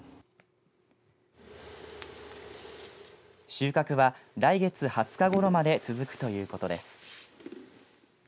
収穫は来月２０日ごろまで続くということです。